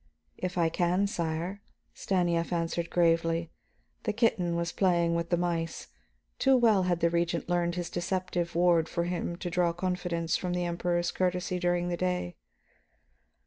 "If I can, sire," Stanief answered gravely. The kitten was playing with the mice; too well had the Regent learned his deceptive ward for him to draw confidence from the Emperor's courtesy during the day.